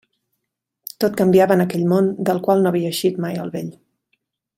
Tot canviava en aquell món del qual no havia eixit mai el vell.